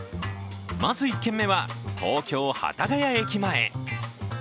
まず１軒目は、東京・幡ヶ谷駅前。